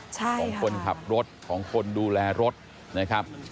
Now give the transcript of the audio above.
ของคนขับรถของคนดูแลรถนะครับ